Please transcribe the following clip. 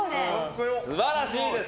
素晴らしいです。